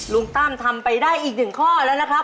ตั้มทำไปได้อีกหนึ่งข้อแล้วนะครับ